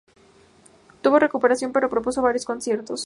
Tuvo recuperación pero pospuso varios conciertos.